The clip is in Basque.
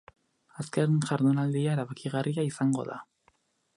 Azken jardunaldia erabakigarria izango da.